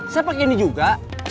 saya pakai ini juga